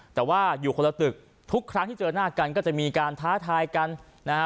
แต่ว่าอยู่คนละตึกทุกครั้งที่เจอหน้ากันก็จะมีการท้าทายกันนะฮะ